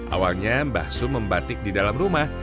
awalnya mbah sum membatik di dalam rumah